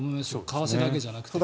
為替だけじゃなくて。